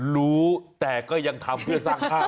รู้แต่ก็ยังทำเพื่อสร้างภาพ